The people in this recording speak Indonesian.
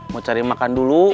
mau cari makan dulu